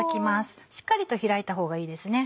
しっかりと開いた方がいいです。